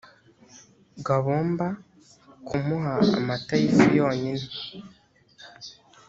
gabomba kumuha amata y’ifu yonyine.